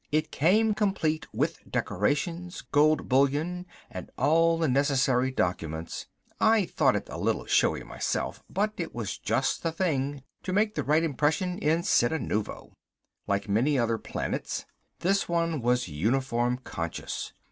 It came complete with decorations, gold bullion, and all the necessary documents. I thought it a little showy myself, but it was just the thing to make the right impression on Cittanuvo. Like many other planets, this one was uniform conscious.